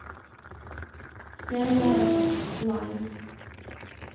FAREWELL, LIFE.